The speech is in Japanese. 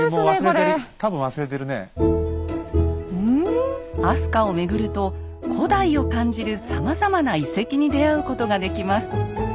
飛鳥を巡ると古代を感じるさまざまな遺跡に出会うことができます。